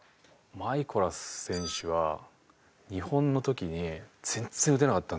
マイコラス選手は日本の時に全然打てなかったんですよ。